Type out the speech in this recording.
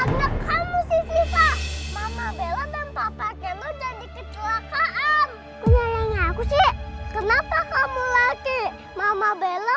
karena kamu sisyphus mama bella dan papa gelo dan dikecelakaan kenapa kamu lagi mama bella